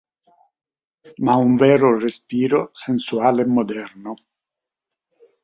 Ma un vero respiro sensuale e moderno.